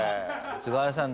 菅原さん